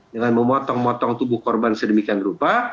dengan memotong motong tubuh korban sedemikian rupa